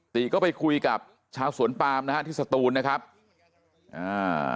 ติก็ไปคุยกับชาวสวนปามนะฮะที่สตูนนะครับอ่า